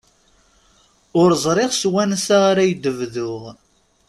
Ur ẓriɣ s wansa ara ak-d-bduɣ.